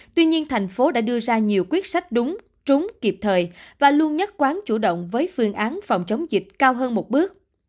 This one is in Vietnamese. tuy nhiên thành phố đã đưa ra nhiều quyết sách đúng trúng kịp thời và luôn nhất quán chủ động với phương án phòng chống dịch cao hơn một bước